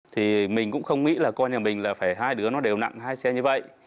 thì mình cũng không nghĩ là con nhà mình là phải hai đứa nó đều nặng hai xe như vậy